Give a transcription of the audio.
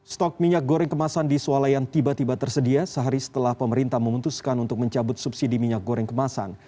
stok minyak goreng kemasan di sualayan tiba tiba tersedia sehari setelah pemerintah memutuskan untuk mencabut subsidi minyak goreng kemasan